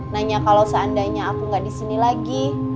nanya kalau seandainya aku gak disini lagi